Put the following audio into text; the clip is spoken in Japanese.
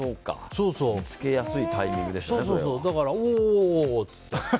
見つけやすいタイミングでしたね。